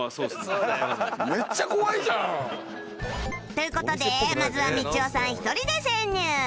という事でまずはみちおさん１人で潜入